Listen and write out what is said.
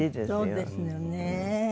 そうですよね。